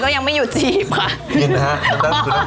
ก็ยังไม่หยุดจีบค่ะกินนะฮะคุณต้องกินแล้วครับผม